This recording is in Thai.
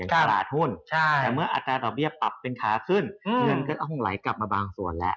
แต่เมื่ออาจารย์ดอกเบี้ยปรับเป็นค้าขึ้นเงินก็ต้องไหลกลับมาบางส่วนแล้ว